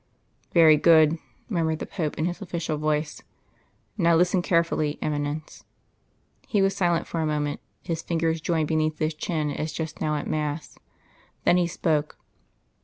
'" "Very good," murmured the Pope, in his official voice. "Now listen carefully, Eminence." He was silent for a moment, his fingers joined beneath his chin as just now at mass. Then he spoke.